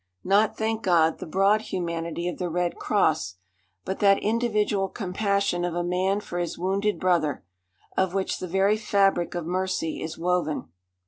Not, thank God, the broad humanity of the Red Cross, but that individual compassion of a man for his wounded brother, of which the very fabric of mercy is woven.